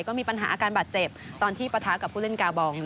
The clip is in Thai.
ก็มีปัญหาอาการบาดเจ็บตอนที่ปะทะกับผู้เล่นกาบอง